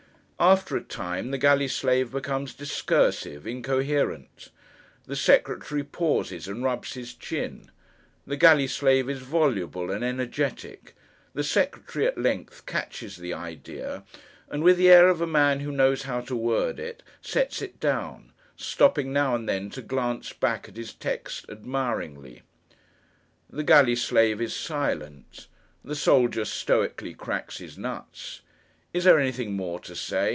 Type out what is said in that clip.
After a time, the galley slave becomes discursive—incoherent. The secretary pauses and rubs his chin. The galley slave is voluble and energetic. The secretary, at length, catches the idea, and with the air of a man who knows how to word it, sets it down; stopping, now and then, to glance back at his text admiringly. The galley slave is silent. The soldier stoically cracks his nuts. Is there anything more to say?